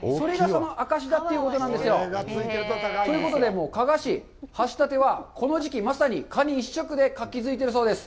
それがそのあかしだということなんですよ。ということで、加賀市、橋立はこの時期まさにカニ一色で活気づいているそうです。